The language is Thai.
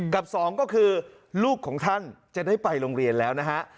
กับสองก็คือลูกของท่านจะได้ไปโรงเรียนแล้วนะฮะ